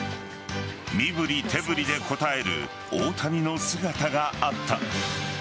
身振り手振りで答える大谷の姿があった。